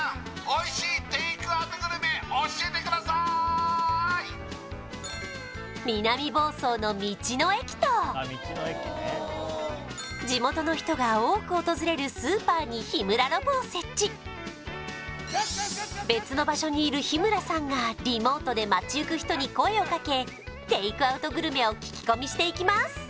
おいしいテイクアウトグルメ教えてください南房総の道の駅と地元の人が多く訪れるスーパーに日村ロボを設置別の場所にいる日村さんがリモートで街ゆく人に声をかけテイクアウトグルメを聞き込みしていきます